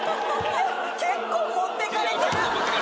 結構持っていかれてる。